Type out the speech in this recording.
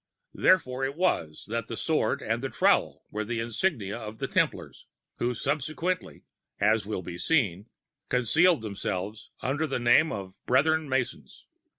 Therefore it was that the Sword and the Trowel were the insignia of the Templars, who subsequently, as will be seen, concealed themselves under the name of Brethren Masons.